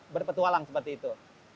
berpetualang seperti itu